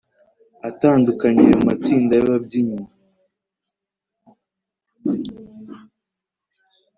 atandukanye Ayo matsinda yababyinnyi